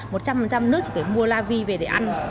một trăm linh nước chỉ phải mua la vi về để ăn